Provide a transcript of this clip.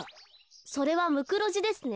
それはムクロジですね。